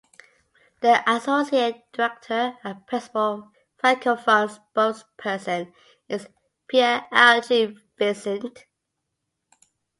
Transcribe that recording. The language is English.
The associate director and principal francophone spokesperson is Pierre L. J. Vincent.